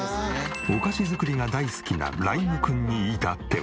お菓子作りが大好きな麗優心くんに至っては。